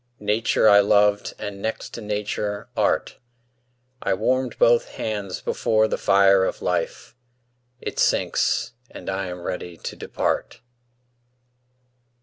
Nature I loved and, next to Nature, Art: I warm'd both hands before the fire of life; It sinks, and I am ready to depart.